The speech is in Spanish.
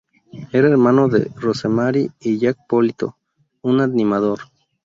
Era hermano de Rosemary y Jack Polito, un animador.